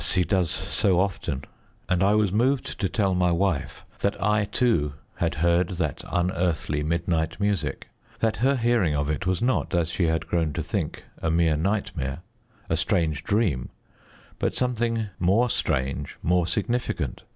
he does so often, and I was moved to tell my wife that I, too, had heard that unearthly midnight music that her hearing of it was not, as she had grown to think, a mere nightmare a strange dream but something more strange, more significant.